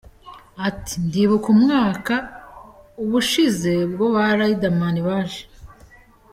Ati, Ndibuka umwaka ubushize ubwo ba Rider Man baje.